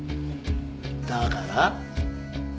だから？